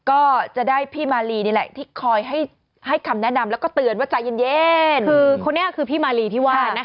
ก็จะได้พี่มาลีนี่แหละที่คอยให้คำแนะนำแล้วก็เตือนว่าใจเย็นคือคนนี้คือพี่มาลีที่ว่านะคะ